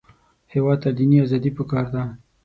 هېواد ته دیني ازادي پکار ده